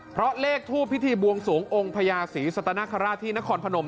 เพราะเลขทศิภาพพิธีบวงสูงองค์พญาศีสตานาคาราธินครพนม